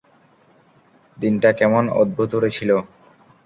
দিনটা কেমন অদ্ভুতুড়ে ছিল!